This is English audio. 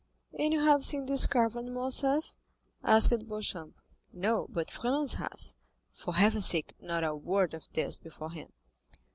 "And you have seen this cavern, Morcerf?" asked Beauchamp. "No, but Franz has; for heaven's sake, not a word of this before him.